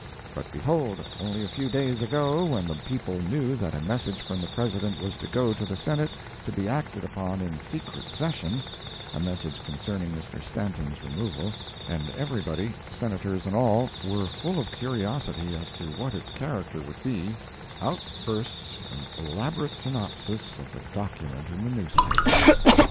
But, behold, only a few days ago, when the people knew that a message from the President was to go to the Senate, to be acted upon in secret session, (a message concerning Mr. Stanton's removal), and everybody, Senators and all, were full of curiosity as to what its character would be, out bursts an elaborate synopsis of the document in the newspapers!